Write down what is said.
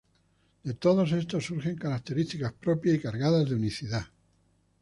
De todo esto surgen características propias y cargadas de unicidad.